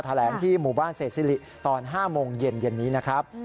แถลงที่หมู่บ้านเศษศิริตอน๕โมงเย็นนี้นะครับ